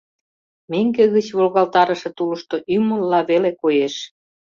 Меҥге гыч волгалтарыше тулышто ӱмылла веле коеш.